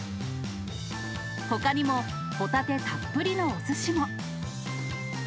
ほかにも、ホタテたっぷりのおすしも。